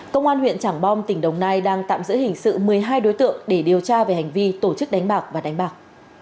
công an huyện trảng bom tỉnh đồng nai đang tạm giữ hình sự một mươi hai đối tượng để điều tra về hành vi tổ chức đánh bạc và đánh bạc